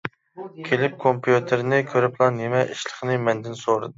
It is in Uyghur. كېلىپ كومپيۇتېرنى كۆرۈپلا نېمە ئىشلىقىنى مەندىن سورىدى.